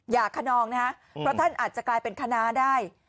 อย่างคณองนะเพราะท่านอาจจะกลายเป็นคณาได้